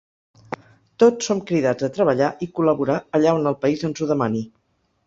Tots som cridats a treballar i col·laborar allà on el país ens ho demani.